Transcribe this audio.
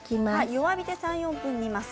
弱火で３、４分煮ます。